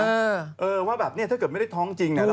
เออว่าแบบเนี่ยถ้าเกิดไม่ได้ท้องจริง